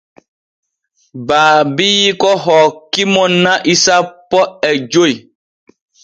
Baabiiko hoki mo na'i sanpo e joy.